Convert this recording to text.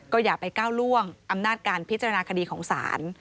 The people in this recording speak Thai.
อย่าไปก้าวล่วงอำนาจการพิจารณาคดีของศาล